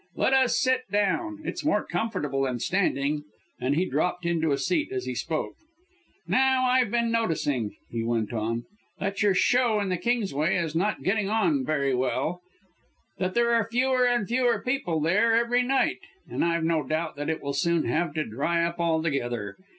"Let us sit down. It's more comfortable than standing." And he dropped into a seat as he spoke. "Now I've been noticing," he went on, "that your Show in the Kingsway is not getting on very well that there are fewer and fewer people there every night, and I've no doubt it will soon have to dry up altogether.